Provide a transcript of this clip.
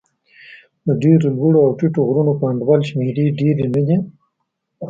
د ډېرو لوړو او ټیټو غرونو په انډول شمېرې ډېرې نه دي.